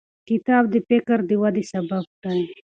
کتاب د فکر د ودې سبب دی.